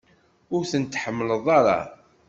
Ur tent-tḥemmleḍ ara?